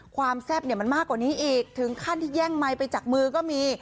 แซ่บเนี่ยมันมากกว่านี้อีกถึงขั้นที่แย่งไมค์ไปจากมือก็มี